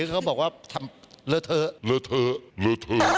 เขาบอกว่าเล่าเธอ